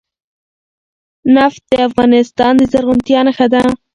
نفت د افغانستان د زرغونتیا نښه ده.